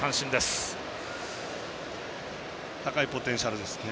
高いポテンシャルですね。